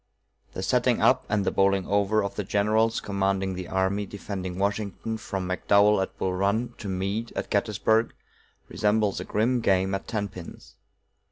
The setting up and the bowling over of the generals commanding the army defending Washington from McDowell at Bull Run to Meade at Gettysburg, resembles a grim game at tenpins.